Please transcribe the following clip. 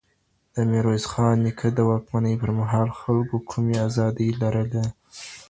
د ميرويس خان نيکه د واکمنۍ پر مهال خلګو کومې ازادۍ لرلې؟